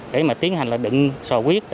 để mà tiến hành là đựng sò huyết